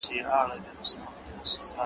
یوه شمع به ختمېږي خو بلېږي به سل نوري `